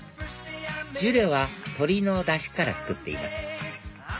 ジュレは鶏のダシから作っています